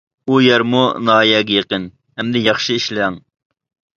ئۇ يەرمۇ ناھىيەگە يېقىن، ئەمدى ياخشى ئىشلەڭ!